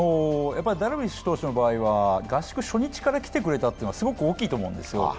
ダルビッシュ投手の場合は合宿初日から来てくれたというのがすごく大きいと思うんですよ。